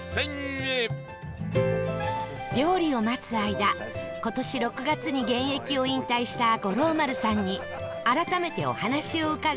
料理を待つ間今年６月に現役を引退した五郎丸さんに改めてお話を伺います